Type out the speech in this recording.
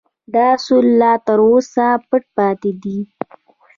دا اصول لا تر اوسه پټ پاتې دي